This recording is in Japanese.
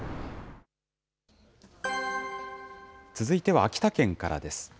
続いては秋田県からです。